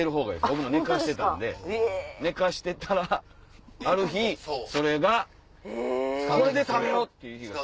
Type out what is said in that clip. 僕も寝かせてたんで寝かせてたらある日それがこれで食べよう！っていう日が。